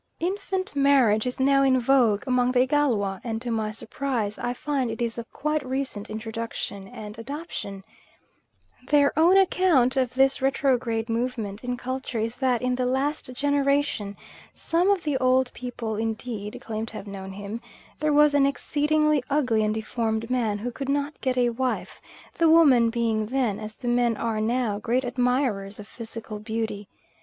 Infant marriage is now in vogue among the Igalwa, and to my surprise I find it is of quite recent introduction and adoption. Their own account of this retrograde movement in culture is that in the last generation some of the old people indeed claim to have known him there was an exceedingly ugly and deformed man who could not get a wife, the women being then, as the men are now, great admirers of physical beauty.